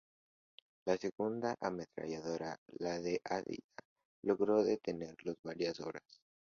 La segunda ametralladora, la de Aida, logró detenerlos varias horas.